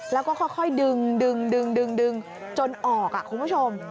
แล้วก็ค่อยดึงจนออกคุณผู้ชม